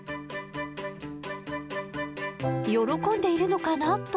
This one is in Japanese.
喜んでいるのかなと思ったら。